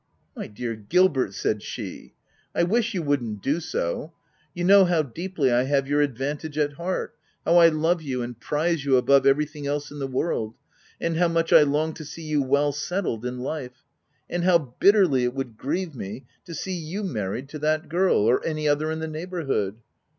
" My dear Gilbert/' said she, " I wish you wouldn't do so ! You know how deeply I have your advantage at heart, how I love you and prize you above everything else in the world, and how much I long to see you well settled in life — and how bitterly it would grieve me to see you married to that girl — or any other in the neighbourhood.